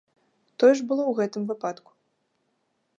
Тое ж было ў гэтым выпадку.